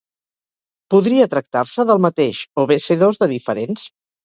Podria tractar-se del mateix o bé ser dos de diferents.